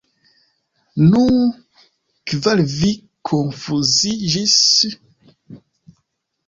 Nu, kial vi konfuziĝis?